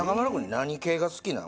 何系が好きなん？